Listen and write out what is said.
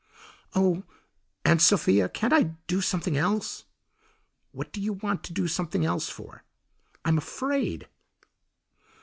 "Oh, Aunt Sophia, can't I do something else?" "What do you want to do something else for?" "I am afraid."